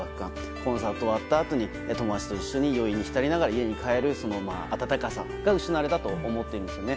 コンサート終わったあとに友達と一緒に余韻に浸りながら家に帰るその温かさが失われたと思うんですね。